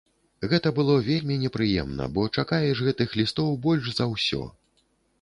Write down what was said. Гэта было вельмі непрыемна, бо чакаеш гэтых лістоў больш за ўсё.